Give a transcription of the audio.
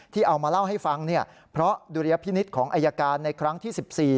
เอามาเล่าให้ฟังเพราะดุลยพินิษฐ์ของอายการในครั้งที่๑๔